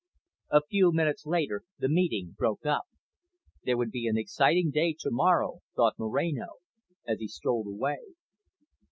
A few minutes later the meeting broke up. There would be an exciting day to morrow, thought Moreno, as he strolled away.